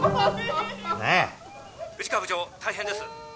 「富士川部長大変です」